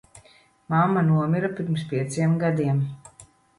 Mamma nomira pirms pieciem gadiem.